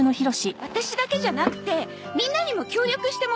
ワタシだけじゃなくてみんなにも協力してもらいたいの。